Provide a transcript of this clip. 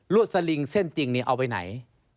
รวดสลิงเส้นจริงเนี่ยเอาไปไหน